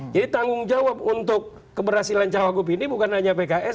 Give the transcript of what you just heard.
jadi tanggung jawab untuk keberhasilan cawagup ini bukan hanya pks